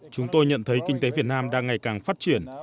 chúng tôi nhận thấy kinh tế việt nam đang ngày càng phát triển